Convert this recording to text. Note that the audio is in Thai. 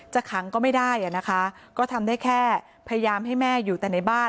ขังก็ไม่ได้อ่ะนะคะก็ทำได้แค่พยายามให้แม่อยู่แต่ในบ้าน